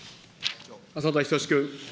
浅田均君。